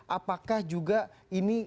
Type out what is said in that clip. apakah juga ini